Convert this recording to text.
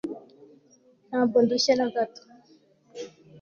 ntabwo ndushye na gato